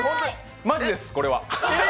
マジです、これは。